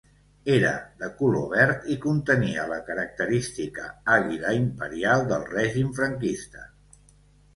Era de color verd i contenia la característica àguila imperial del règim franquista.